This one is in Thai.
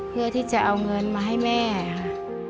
เพื่อที่จะเอาเงินมาให้แม่ค่ะ